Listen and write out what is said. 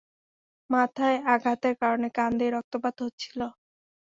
মাথায় আঘাতের কারণে কান দিয়ে রক্তপাত হচ্ছিল।